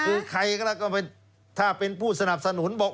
คือใครก็แล้วก็ถ้าเป็นผู้สนับสนุนบอก